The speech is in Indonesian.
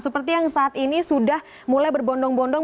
seperti yang saat ini sudah mulai berbondong bondong